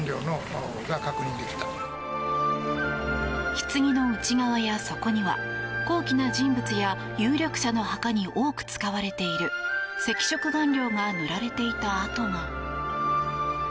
ひつぎの内側や底には高貴な人物や有力者の墓に多く使われている赤色顔料が塗られていた跡が。